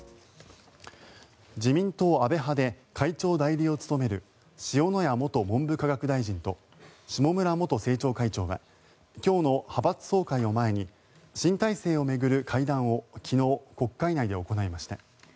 自民党安倍派で会長代理を務める塩谷元文部科学大臣と下村元政調会長は今日の派閥総会を前に新体制を巡る会談を昨日、国会内で行いました。